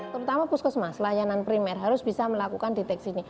terutama puskesmas layanan primer harus bisa melakukan deteksi ini